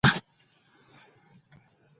ښه انسان هغه نه دی چې خطا نه کوي.